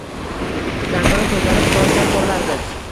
Zangori ko`zlari quvonchdan porlardi